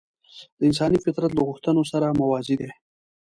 د انساني فطرت له غوښتنو سره موازي دي.